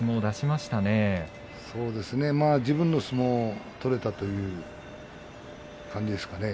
まあ、自分の相撲を取れたという感じですかね。